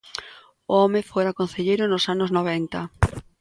O home fora concelleiro nos anos noventa.